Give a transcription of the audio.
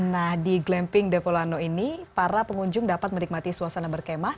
nah di glamping depolano ini para pengunjung dapat menikmati suasana berkemah